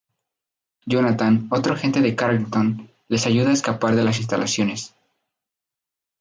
Jonathan, otro agente de Carrington, les ayuda a escapar de las instalaciones.